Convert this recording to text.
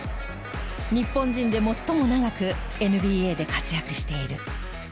日本人で最も長くＮＢＡで活躍している。